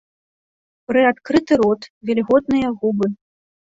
Прыадкрыты рот, вільготныя губы.